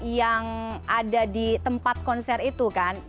yang ada di tempat konser itu kan